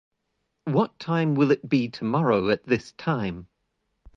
What time will it be tomorrow at this time?